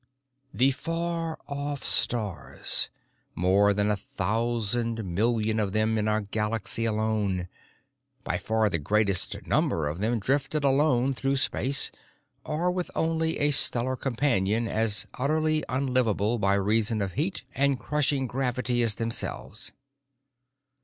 The far off stars—more than a thousand million of them in our galaxy alone. By far the greatest number of them drifted alone through space, or with only a stellar companion as utterly unlivable by reason of heat and crushing gravity as themselves.